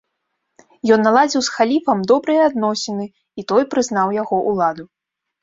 Ён наладзіў з халіфам добрыя адносіны, і той прызнаў яго ўладу.